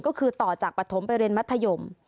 ก็คือต่อจากปฐมไปเรียนมัธยม